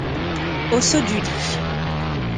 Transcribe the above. Au saut du lit.